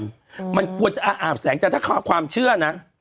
อืมมันควรจะอาบแสงแต่ถ้าความเชื่อนะ